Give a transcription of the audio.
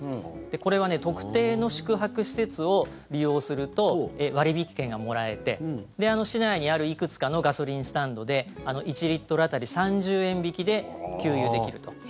これは特定の宿泊施設を利用すると割引券がもらえて、市内にあるいくつかのガソリンスタンドで１リットル当たり３０円引きで給油できると。